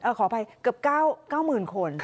เอ่อขออภัยเกือบ๙๙๐คน